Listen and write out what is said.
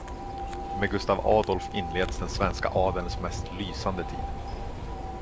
Med Gustaf Adolf inleds den svenska adelns mest lysande tid.